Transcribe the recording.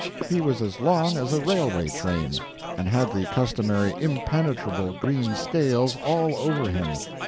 He was as long as a railway train, and had the customary impenetrable green scales all over him.